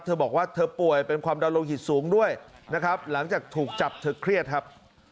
เธอบอกว่าเธอป่วยเป็นความดันโลหิตสูงด้วยนะครับหลังจากถูกจับเธอเครียดครับ